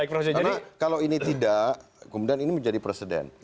karena kalau ini tidak kemudian ini menjadi presiden